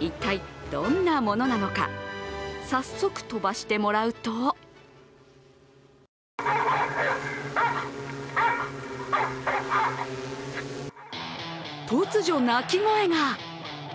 一体どんなものなのか、早速、飛ばしてもらうと突如、鳴き声が！